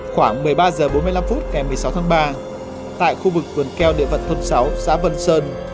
khoảng một mươi ba h bốn mươi năm phút ngày một mươi sáu tháng ba tại khu vực vườn keo địa phận thôn sáu xã vân sơn